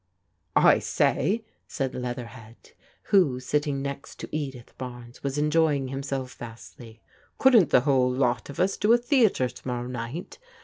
" I say," said Leatherhead, who, sitting next to Edith Barnes, was enjoying himself vastly, " couldn't the whole lot of us do a theatre to morrow night